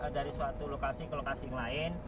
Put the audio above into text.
dari suatu lokasi ke lokasi yang lain